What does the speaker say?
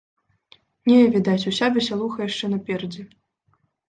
Не, відаць, уся весялуха яшчэ наперадзе.